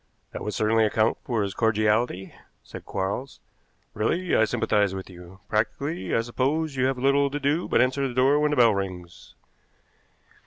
"That would certainly account for his cordiality," said Quarles. "Really, I sympathize with you. Practically, I suppose, you have little to do but answer the door when the bell rings."